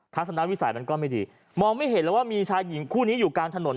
ทัศนวิสัยมันก็ไม่ดีมองไม่เห็นแล้วว่ามีชายหญิงคู่นี้อยู่กลางถนน